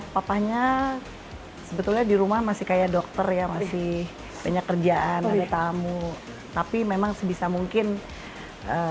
papahnya sebetulnya di rumah masih kayak dokter ya masih banyak kerjaan ada tamu tapi memang sebisa mungkin menjepatkan ke rumah ya